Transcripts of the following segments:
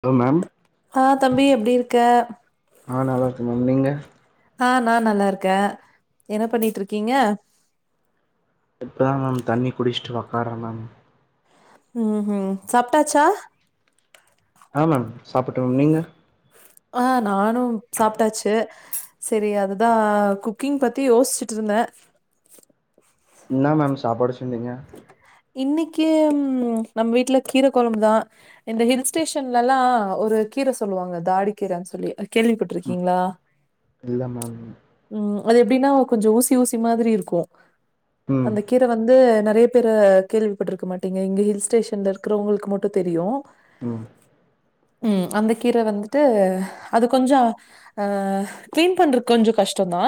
Hello ma'am ஆ தம்பி எப்டி இருக்க நா நல்லாருக்க மேம் நீங்க ஆ நா நல்லா இருக்கே என்ன பண்ணிட்ருக்கீங்க இப்ப தா மேம் தண்ணி குடிச்ட்டு ஒக்கார்றே மேம் ம்ஹும் சாப்ட்டாச்சா டைம் இருக்கு சாப்டுறதுக்கு டோ நீங்க ஆ நானும் சாப்ட்டாச்சு சரி அதுதா குக்கிங் பத்தி யோசிச்சுட்டு இருந்தேன் என்ன மேம் சாப்பாடு செஞ்சீங்க இன்னைக்கு நம்ம வீட்ல கீரை குழம்புதா இந்த ஹில் ஸ்டேஷன்லலா ஒரு கீர சொல்லுவாங்க தாடி கீரன் சொல்லி கேள்விப்பட்டிருக்கீங்களா இல்ல மேம் ம் அது எப்டின்னா கொஞ்சம் ஊசி ஊசி மாதிரி இருக்கும் ம் அந்த கீர வந்து நிறைய பேர் கேள்விப்பட்ருக்க மாட்டீங்க இங்க ஹில் ஸ்டேஷன்ல இருக்குறவுங்களுக்கு மட்டும் தெரியும் ம் ம் அந்த கீர வந்துட்டு அது கொஞ்சம் அ கிளீன் பண்றக்கு கொஞ்சம் கஷ்டம்தா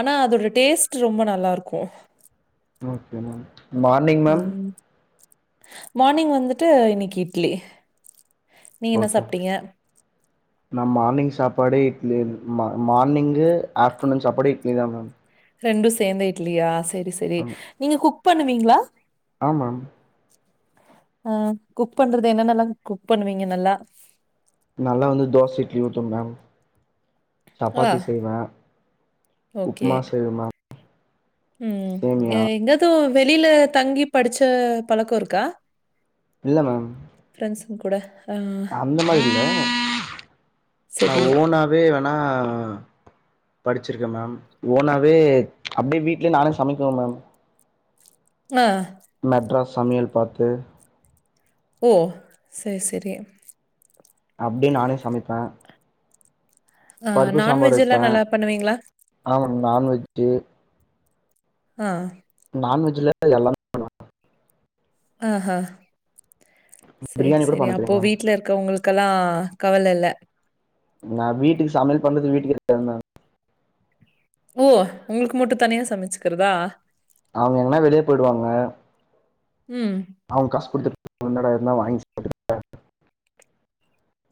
ஆனா அதோட டேஸ்ட் ரொம்ப நல்லா இருக்கும் ஓகே மேம் மார்னிங் மேம் ம் மார்னிங் வந்துட்டு இன்னைக்கு இட்லி நீ என்ன ஓகே சாப்ட்டீங்க நா மார்னிங் சாப்பாடே இட்லி ம மார்னிங்கு ஆஃப்டர்நூன் சாப்பாடே இட்லி தா மேம் ரெண்டும் சேர்ந்தே இட்லியா சரி சரி ஆ நீங்க குக் பண்ணுவீங்களா ஆ மேம் ஆ குக் பண்றது என்னன்னல்லா குக் பண்ணுவீங்க நல்லா நல்லா வந்து தோச இட்லி ஊத்துவ மேம் ஆ சாப்பாத்தி செய்வே உப்புமா செய்வ மேம் உம் சேமியா ஏன் எங்கதும் வெளில தங்கி படிச்ச பழக்கோ இருக்கா இல்ல மேம் ஃப்ரெண்ட்ஸ்ங்க கூட ஆ அந்த மாரி இல்ல நா சரி. ஓனாவே வேணா படிச்சிருக்க மேம் ஓனாவே அப்டியே வீட்லயே நானே சமைக்குவேன் மேம் அ மெட்ராஸ் சமையல் பாத்து ஓ சேரி சேரி அப்டி நானே சமைப்பேன் ஆ நான்வெஜ் வைப்பே எல்லாம் நல்லா பண்ணுவீங்களா ஆமா நான்வெஜ்ஜு ஆ நான்வெஜ்ல எல்லா அ ஆ சேரி பிரியாணி கூட சேரி பண்ண தெரியு அப்போ மேம் வீட்டுல இருக்கவுங்களுக்கு க்கெல்லாம் கவல இல்ல நா வீட்டுக்கு சமையல் பண்றது வீட்டுக்கே தெரியாது மேம் ஓ உங்களுக்கு மட்டும் தனியா சமைச்சுக்கிறதா அவுங்க எங்கனா வெளிய போயிடுவாங்க ம் அவுங்க காசு குடுத்துடா போய்ருந்தா எதுனா வாங்கி சாப்டுக்குவ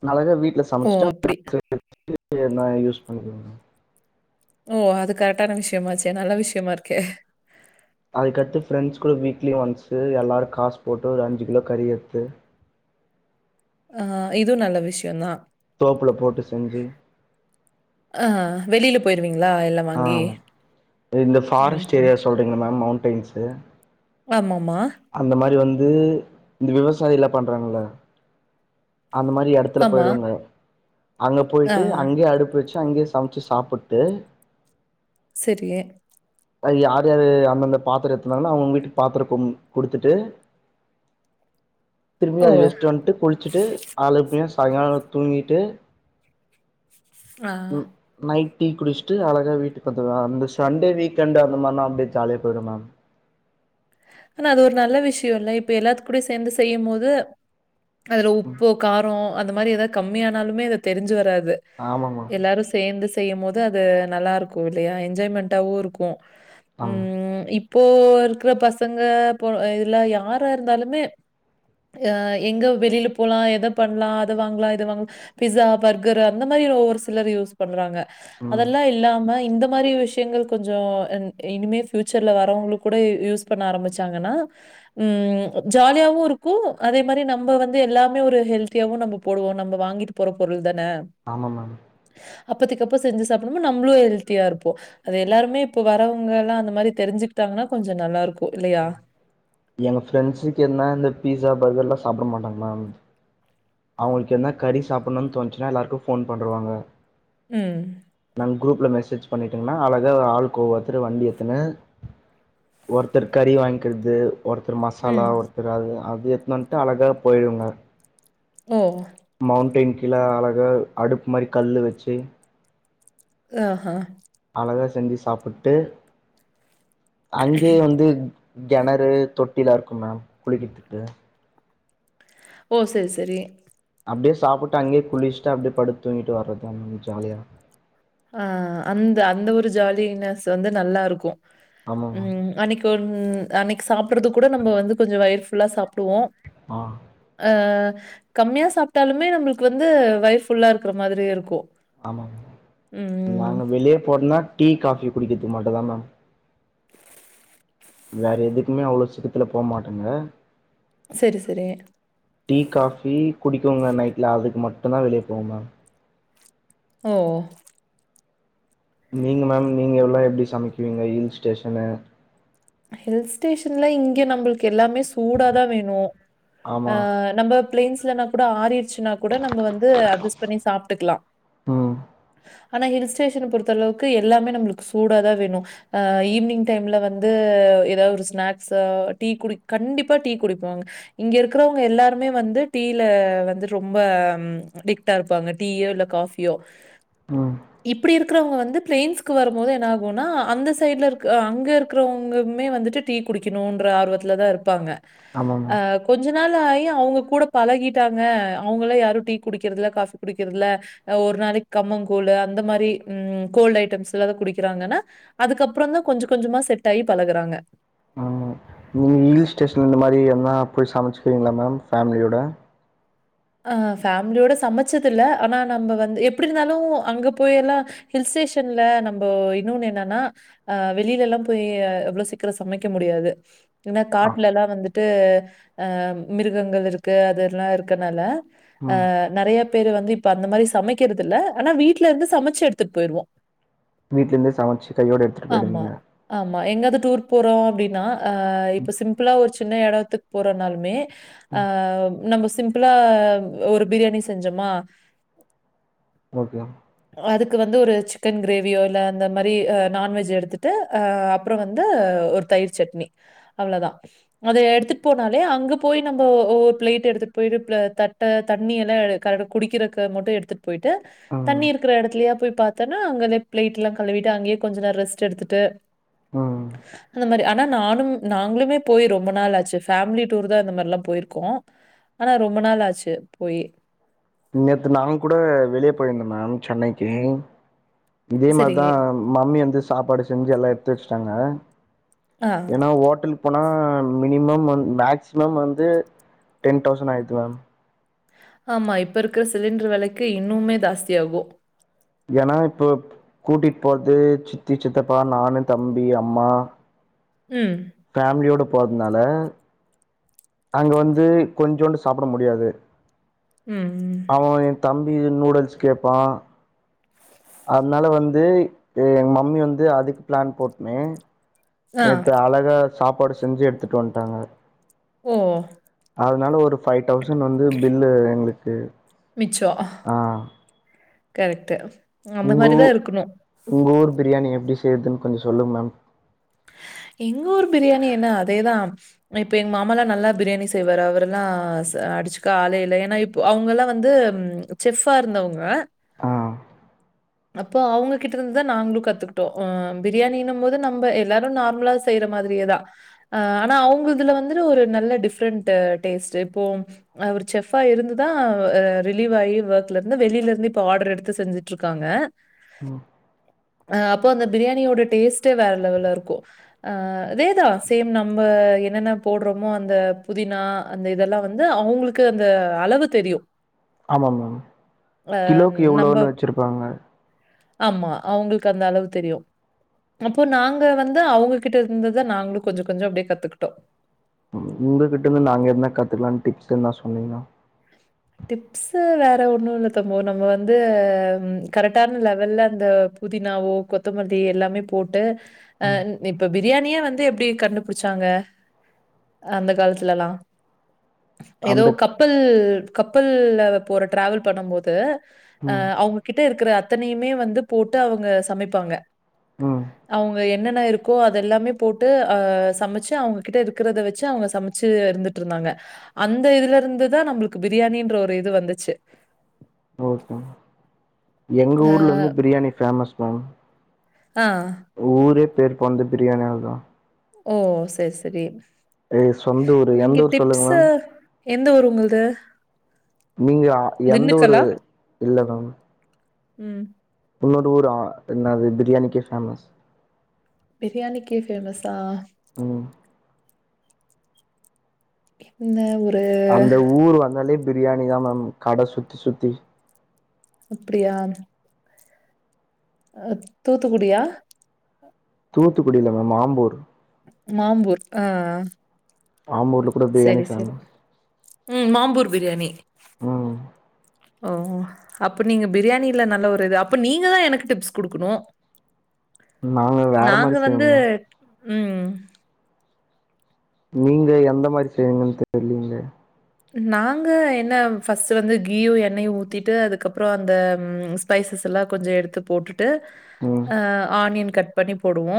நல்லாவே வீட்ல ஓ! சமச்சிட்டா அப்படி. அந்த நா யூஸ் பண்ணிக்குவ ஓ அது கரெட்டான விஷ்யமாச்சே நல்ல விஷ்யமா இருக்கே அதுக்கடுத்து ஃப்ரெண்ட்ஸ் கூட வீக்லி ஒன்ஸு எல்லாரு காசு போட்டு ஒரு அஞ்சு கிலோ கறி எடுத்து ஆ இதுவு நல்ல விஷ்யோந்தா தோப்புல போட்டு செஞ்சு அ வெளியில போயிருவீங்களா எல்லா ஆ வாங்கி ம் ஹும் சொல்றீங்களா மேம் மௌண்டெயின்ஸு எல்லாமூம்மா அந்த மாரி வந்து இந்த விவசாயில்லா பண்றாங்கல்ல அந்த மாரி எடத்துல ஆமா. போயிடுவங்க அங்க ஆ பொயிட்டு அங்கே அடுப்பு வச்சு ட்டு அங்கேயே சமைச்சு சாப்புட்டு செரி அது யார் யாரு அந்தந்த பாத்துரோ எடுத்துந்தாங்கன்னா அவுங்க அவுங்க வீட்டுக்கு பாத்திர கொம் குடுத்துட்டு திரும்பி ஓ! அது வெஸ்ட்டு வன்ட்டு குளிச்சுட்டு அலப்பியா சாய்ங்காலோ தூங்கிட்டு ஆ ஆ நைட் டீ குடுச்ட்டு அழகா வீட்டுக்கு வந்துருவே அந்த சண்டே வீக்கெண்டு அந்த மாரிலா அப்டியே ஜாலிய போயிரு மேம் ஆனா அது ஒரு நல்ல விஷயோல்ல இப்ப எல்லாத்து கூட சேர்ந்து செய்யும் போது அதுல உப்பு காரோ அந்த மாரி எதாவது கம்மியானாலுமே இத தெரிஞ்சு வராது ஆமாங்மா எல்லாரு சேர்ந்து செய்யும் போது அது நல்லா இருக்கு இல்லையா என்ஜாய்மெண்ட்டாவு இருக்கு ஆமா ம் இப்போ இருக்குற பசங்க போ இதுல யாரா இருந்தாலுமே அ எங்க வெளியில போலா எத பண்லா அத வாங்கலா இது வாங்க பிஸா பர்கர் அந்த மாரி ஒவ்வொரு சிலர் யூஸ் பண்றாங்க ம் அதெல்லா இல்லாம இந்த மாரி விஷ் விஷயங்கள் கொஞ்சோ இன் இனிமே பியூச்சர்ல வரவங்களுக்கு கூட யூஸ் பண்ண ஆரம்மிச்சாங்கன்னா ம் ம் ஜாலியாவு இருக்கு அதே மாரி நம்ம வந்து எல்லாமே ஒரு ஹெல்த்தியாவு நம்ம போடுவோ நம்ப வாங்கிட் போற பொருள் தான ஆமா மேம் அப்பத்திக் அப்ப செஞ்சு சாப்புடும்போம் போ நம்ளு ஹெல்த்தியா இருப்போ அது எல்லாருமே இப்ப வர்றவுங்க எல்லா அந்த மாரி தெரிஞ்சுக்கிட்டாங்கன்னா கொஞ்ச நல்லா இருக்கு இல்லையா எங்க ஃப்ரெண்ட்ஸுக்கென்னா இந்த பீஸா பர்கர் எல்லா சாப்புட மாட்டாங்க மேம் அவுங்களுக்கு என்ன கறி சாப்புன்னு தோண்ச்சின்னா எல்லாருக்கு ஃபோன் பண்ருவாங்க ம் நாங்க குரூப்ல மெசேஜ் பண்ணிட்டோங்கன்னா அழக ஆளுக்கு ஒவ்வொருத்தர் வண்டிய எடுத்துன்னு ஒருத்தர் கறி வாங்கிக்கிறது ஒருத்தர் மசாலா ம். ஒருத்தர் அது அது எத்துனு வன்ட்டு அழகாக போய்டுங்க ஓ ஓ மௌண்டெய்ன் கீழ அழகா அடுப் மாரி கல்லு வச்சு அ ஹா அழகா செஞ்சு சாப்புட்டு அங்கேயே வந்து கெணறு தொட்டிலா இருக்கும் மேம் குளிக்கிற்துக்கு ஓ செரி செரி அப்டியே சாப்புட்டு அங்கேயே குளிச்ட்டு அப்டியே படுத்து தூங்கிட்டு வர்றதா மேம் ஜாலியா அ அந்த அந்த ஒரு ஜாலினஸ் வந்து நல்லா இருக்கு ஆமா மேம் ம் அன்னக் தொன் அன்னைக்கு சாப்புட்றது கூட நம்ம வந்து கொஞ்சோ வயர் ஃபுல்லா சாப்டுவோ ஆ அ கம்மியா சாப்ட்டாலுமே நம்மளுக்கு வந்து வயிற் ஃபுல்லா இருக்குற மாதிரி இருக்கு ஆமாங்க ம் நாங்க வெளிய போறதுன்னா டீ காஃபி குடிக்கிறதுக்கு மட்டுந்தா மேம் வேற எதுக்குமே அவ்ளோ சீக்கரத்துல போமாட்டேங்க செரி செரி டீ காஃபி குடிக்குங்க நைட்ல அதுக்கு மட்டுந்தா வெளிய போவே மேம் அய்யோ நீங்க மேம் நீங்க எல்லா எப்டி சமைக்குவீங்க ஹில் ஸ்டேஷனு ஹில் ஸ்டேஷன்ல இங்க நம்மளுக்கு எல்லாமே சூடாதா வேணு ஆ ஆமா நம்ம பிலேன்ஸ்லன்னா கூட ஆறிடுச்சுன்னா கூட நம்ம வந்து அட்ஜஸ்ட் பண்ணி சாப்ட்டுக்கலா ம் ஆனா ஹில் ஸ்டேஷன பொறுத்த அளவுக்கு எல்லாமே நம்ளுக்கு சூடாதா வேணு ஆ ஈவினிங் டைம்ல வந் து ஏதாவது ஒரு ஸ்நாக்ஸ் டீ குடி கண்டிப்பா டீ குடிப்பாங்க இங்க இருக்குறவங்க எல்லாருமே வந்து டீல வந்து ரொம்ப அடிக்ட்டா இருப்பாங்க டீயோ இல்ல காஃபியோ ம் இப்டி இருக்குறவங்க வந்து பிளைன்ஸ்க்கு வரும்போது என்ன ஆகுன்னா அந்த சைட்ல இருக்க அங்க இருக் குறவங்கமே வந்துட்டு டீ குடிக்கணுன்ற ஆர்வத்துல தா இருப்பாங்க ஆமா ஆ மேம் கொஞ்ச நாள் ஆகி அவங்க கூட பழகிட்டாங்க அவங்கல்லா யாரு டீ குடிக்கிறதில்ல காஃபி குடிக்கிறதில்ல ஆ ஒரு நாளைக்கி கம்மங்கூழ் அந்த மாரி ம் கோல்டு ஐட்டம்ஸ்ல்லாத குடிக்கிறாங்கன்னா அதுக்கப்பறந்தா கொஞ்ச கொஞ்சமா செட் ஆயி பழகுறாங்க ஆமா நீங்க ஹில் ஸ்டேஷன் இந்த மாரி எங்கனா போய் சமைச்சுக்கிறீங்களா மேம் ஃபேமிலியோட ஆ ஃபேமிலியோட சமைச்சதுல்ல ஆனா நம்ம வந்து எப்டி இருந்தாலு அங்க போய் எல்லா ஹில் ஸ்டேஷன்ல நம்ப இன்னொன்னு என்னன்னா ஆ வெளில எல்லா போய் அவ்ளோ சீக்கிரோ சமைக்க முடியாது ஏன்னா ஆ காட்டுலல்லா வந்துட்டு ஆ மிருகங்கள் இருக்கு அதெல்லா இருக்கனால ஆ ம் நெறைய பேரு வந்து இப்ப அந்த மாரி சமைக்கிறது இல்ல ஆனா வீட்ல இருந்து சமைச்சு எடுத்துட்டு போயிருவோ வீட்ல இருந்தே சமச்சி கையோட எடுத்துட்டு ஆமா. போயிடுவீங்க ஆமா எங்காது டூர் போறோ அப்டின்னா ஆ இப்ப சிம்பிளா ஒரு சின்ன எடத்துக்கு போறோனாலுமே ஆ ம் நம்ம சிம்பிளா ஒரு பிரியாணி செஞ்சமா ஓகே அதுக்கு வந்து ஒரு சிக்கன் கிரேவியோ இல்ல அந்த மாரி் நான்வெஜ் எடுத்துட்டு ஆ அப்றோ வந்து ஒரு தயிர் சட்னி அவ்ளதா அது எடுத்துட்டு போனாலே அங்க போய் நம்ம ஒரு பிளேட் எடுத்து போயிட்டு பிள தட்ட தண்ணியெல்லா கரெ குடிக்கிறக்கு மட்டு எடுத்துட்டு போயிட்டு தண்ணி ம் இருக்குற எடத்துலயா போய் பாத் தன்னா அங்களே ப்ளேட்ல்லா கழுவிட்டு அங்கயே கொஞ்ச நேரோ ரெஸ்ட் எடுத்துட்டு ம் அந்த மாரி ஆனா நானும் நாங்களுமே போய் ரொம்ப நாள் ஆச்சு ஃபேமிலி டூர்தா இந்த மாரில்லா போயிருக்கோ ஆனா ரொம்ப நாள் ஆச்சு போயி நேத்து நாங்க கூட வெளிய போயிருந்தோ மேம் சென்னைக்கி இதே சரி. மாரிதா மம்மி வந்து சாப்பாடு செஞ்சி எல்லா எடுத்து வச்சிட்டாங்க ஆ. ஏன்னா ஹோட்டலு போனா மினிமம் வந் மேக்சிமம் வந்து டென் தௌசண்ட் ஆயிடுது மேம் ஆமா இப்ப இருக்கிற சிலிண்டர் வெலைக்கு இன்னுமே ஜாஸ்தி ஆகு ஏன்னா இப்ப கூட்டிட்டு போறது சித்தி சித்தப்பா நானு தம்பி அம்மா ம் ஃபேமிலியோடு போறதுனால அங்க வந்து கொஞ்சோண்டு சாப்புட முடியாது ம் ம் அவ என் தம்பி நூடுல்ஸ் கேப்பா அத்னால வந்து எங் மம்மி வந்து அதுக் பிளான் போட்மே ஆ. நேத்து அழகா சாப்பாடு செஞ்சு எடுத்துட் வன்ட்டாங்க ஏ அதனால ஒரு ஃபைவ் டௌசண் வந்து பில்லு எங்ளுக்கு மிச்சோ கரெக்ட் உங்க ஊ உங்க ஊர் பிரியாணி எப்டி செய்யற்துன் கொஞ்ச சொல்லுங் மேம் எங்க ஊர் பிரியாணி என்ன அதேதா ம ப்ப எங் மாமாலா நல்லா பிரியாணி செய்வாரு. அவரெல்லா ஸ அடிச்சுக்க ஆளே இல்ல ஏன்னா அவங்கல்லா வந்து செஃப்பா ருந்தவுங்க ஆ அப்போ அவுங்ககிட்டருந்துதா நாங்ளு கத்துக்ட்டோ அ பிரியாணினம்போது நம்ப எல்லாரு நார் முல செய்ற மாதிரியேதா அ ஆனா அவுங்க இதுல வந்துடு ஒரு நல்ல டிஃப்ரெண்ட் டேஸ்ட் ப்போ அவுர் செஃப்பா இருந்து தா அ ரிலீவ் ஆயி ஒக்லருந்து வெளிலருந்து ப்ப ஆர்டர் எடுத்து செஞ்சுட்ருக்காங்க ம் அ அப்போ அந்த பிரியாணியோட டேஸ்ட்டே வேற ளெவல்ல இருக்கு அ அதேதா சேம் நம்ம என்னென்ன போட்றோமோ அந்த புதினா அந்த இதெல்லா வந்து அவுங்குளுக்கு ந்த அளவு தெரியு ஆமா மேம் கிலோக்கு நம்ப எவ்ளோன்னு வச்சுருப்பாங்க ஆமா அவுங்குள்க்கு அந்த அளவு தெரியு அப்போ நாங்க வந்து அவுங்க கிட்ட இருந்துதா நாங்ளு கொஞ்ச கொஞ்ச அப்டே கத்துக்ட்டோ உங்ககிட்ட இருந்து நாங்க எத்னா கத்துக்கலான் டிப்ஸ் எத்னா சொன்னீங்ன்னா டிப்ஸூ வேற ஒன்னு ல்ல தங்கோ நம்ம வந்து கரெக்டான் லெவல்ல அந்த புதினாவோ கொத்தமல்லி எல்லாமே போட்டு ம் அன் ப்ப பிரியாணியே வந்து எப்டி கண்டுபுடிச்சாங்க அந்த காலத்துலல்லா ஏதோ அந்த கப்பல், கப்பல்ல போற ட்ராவல் பண்ணும்போது அ ம் அவுங்ககிட்ட இருக்குற, அத்தனையுமே வந்து போட்டு அவுங்க சமைப்பாங்க. ம் அவுங்க எ என்னென்ன இருக்கோ அதெல்லாமே போட்டு அ சமைச்சு அவங்ககிட்ட இருக்கிறத வெச்சு அவுங்க சமைச்சு இருந்துட்ருந்தாங்க அந்த இதுல இருந்துதா நம்புளுக்கு பிரியாணின்ற ஒரு இது வந்துச்சு. ஓஹோ எங்க அ ஊர்ல ந்து பிரியாணி ஃபேமஸ் மேம் அ ஊரே பேர் போனது பிரியாணி ஆல் தா ஓ சேர் செரி ஏ சொந்த ஊரு எந்த இங்க ஊர் சொல்லுங்க டிப்ஸ் மேம் எந்த ஊர் உங்குள்து நீங்க அ எந்த ஊரு இல்ல மேம். ம் உன்னோட ஊரா என்னாது பிரியாணிக்கு ஃபேமஸ். பிரியாணிக்கு ஃபேமஸா ம் என்ன ஊரு அந்த ஊர் வந்தாலே பிரியாணி தா மம் கட சுத்தி சுத்தி அப்டியா அ தூத்துக்குடியா தூத்துக்குடி இல்ல மம் ஆம்பூர் மாம்பூர் ஆ ஆ ஆம்பூர்ல கூட பிரியாணி செரி செரி ஃபேமஸ் ம் மாம்பூர் பிரியாணி ம் ஓ அப்போ நீங்கள் பிரியாணில நல்ல ஒரு இது அப்போ நீங்க தா எனக்கு டிப்ஸ் குடுக்கணு நாங்க வேற நாங்க மாரி வந்து செய்வோங்க ம் நீங்க எந்த மாரி செய்வீங்கன் தெரிலீங்ளே நாங்க என்ன ஃபர்ஸ்ட் வந்து கீயு எண்ணெயு ஊத்திட்டு அதுக்கப்புறோ அந்த ஸ்பைசஸ் எல்லா கொஞ்சோ எடுத்து போட்டுட்டு ம் அ ஆனியன் கட் பண்ணி போடுவோ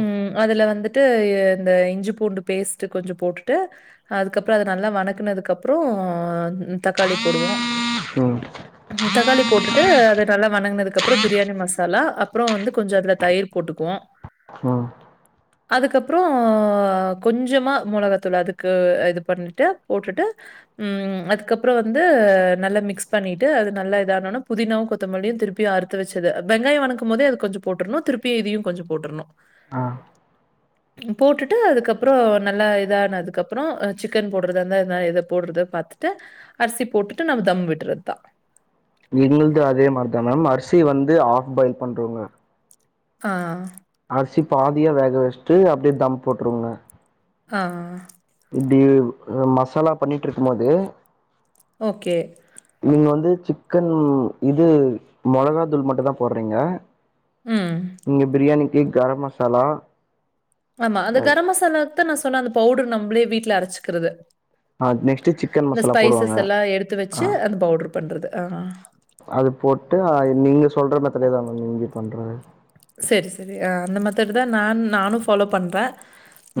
ம் அதுல வந்துட்டு இந்த இஞ்சி பூண்டு பேஸ்ட்டு கொஞ்சோ போட்டுட்டு அதுக்கப்புறோ அது நல்லா வணக்குனதுக்கு அப்புறோ தக்காளி போடுவோ ம் தக்காளி போட்டுட்டு அத நல்லா வணங்கனதுக்கு அப்புறோ பிரியாணி மசாலா அப்புறோ வந்து கொஞ்சோ அதுல தயிர் போட்டுக்குவோ ம் அதுக்கப்றோ கொஞ்சமா மொளகாத்தூளு அதுக்கு இது பண்ணிட்டு போட்டுட்டு ம் அதுக்கப்றோ வந்து நல்லா மிக்ஸ் பண்ணிட்டு அது நல்லா இதானோன புதினாவு கொத்தமல்லியு திருப் பியு அறுத்து வச்சத வெங்காயோ வணக்கும் போதே அது கொஞ்சோ போட்ருணு திருப்பி இதியு கொஞ்சோ போட்ருணு ஆ போட்டுட்டு அதுக்கப்றோ நல்லா இதானதுக்கப்றோ சிக்கன் போட் போடுறத இருந்தா நா‌ எத போடுறது பாத்துட்டு அரிசி போட்டுட்டு நம்ம தம் விடுறது தா எங்கள்து அதே மாரிதா மம் அரிசி வந்து ஆஃப் பாயில் பண்றோங்க ஆ அரிசி பாதியா வேக வச்ட்டு அப்டியே தம் போட்ருவோங்க ஆ இப்டி மசாலா பண்ணிட்ருக்கும் போதே ஓகே நீங்க வந்து சிக்கன் இது மொளகா தூள் மட்டு தா போடுறீங்க ம் இங்க பிரியாணிக்கு கரம் மசாலா ஆமா அந்த கரம் மசாலாக்கு தா நா சொன்ன அந்த பவுடர் நம்மளே வீட்ல அரச்சிக்குறது ஆ நெக்ஸ்ட்டு சிக்கன் இந்த மசாலா ஸ்பைசஸ் போடுவாங்க எல்லா எடுத்து வச்சி ஆ அந்த பவுடர் பண்றது ஆ அது போட்டு ஆ நீங்க சொல்ற மெத்தடே தா மம் இங்க பண்றது சரி சரி ஆ அந்த மத்தட் தா நா நானு ஃபாலோ பண்ற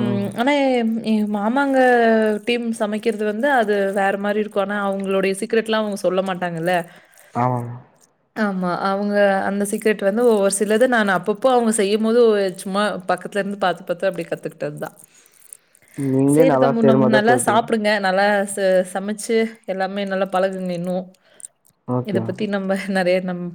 ம் ஆனா எ மாமாங்க டீம் சமைக்கிறது வந்து அது வேற மாரி இருக்கு ஆனா அவுங்களுடைய சிக் சீக்ரெட்ல்லா அவங்க சொல்ல மாட்டாங்கல்ல ஆ ஆமா அவுங்க அந்த சீக்ரெட் வந்து ஒவ்வொரு சி சிலது நானு அப்பப்போ அவங்க செய்யும் போது சும்மா பக்கத்துல இருந்து பாத்து பாத்து அப்டியே கத்துக்கிட்டது தா நீங்களே சேரி நல்லா தம்பு செய்ற நம் மாரிதா நல்லா தெரிஞ்சுது சாப்டுங்க நல்லா சமச்சு எல்லாமே நல்லா பழகுங்க இன்னு இத ஓகே மேம் பத்தி நம்ம நெறைய நம்